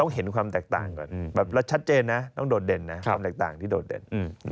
เห็นความแตกต่างก่อนแบบเราชัดเจนนะต้องโดดเด่นนะความแตกต่างที่โดดเด่น